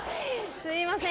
すみません。